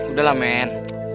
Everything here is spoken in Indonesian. udah lah men